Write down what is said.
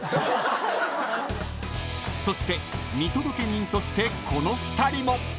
［そして見届け人としてこの２人も］